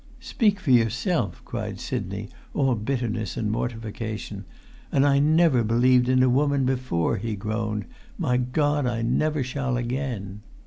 "Speak for yourself," cried Sidney, all bitterness and mortification. "And I never believed in a woman before," he groaned; "my God, I never shall again!"